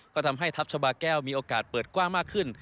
ก็ทำให้ทัพชาบาแก้วมีโอกาสเปิดกว้างมากขึ้น